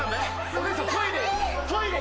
お姉さんトイレ。